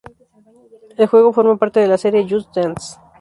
El juego forma parte de la serie Just Dance.